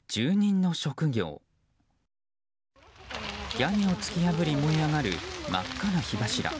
屋根を突き破り燃え上がる真っ赤な火柱。